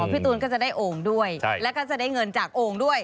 พี่ตูนก็จะได้โอ่งด้วยแล้วก็จะได้เงินจากโอ่งด้วย